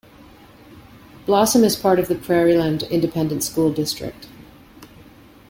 Blossom is part of the Prairiland Independent School District.